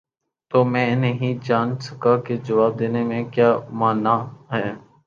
تو میں نہیں جان سکا کہ جواب دینے میں کیا مانع ہے؟